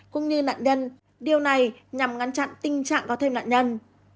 cũng như nạn nhân điều này nhằm ngăn chặn tình trạng có thêm nạn nhân